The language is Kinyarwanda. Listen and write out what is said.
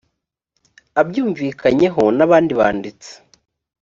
abyumvikanyeho n abandi banditsi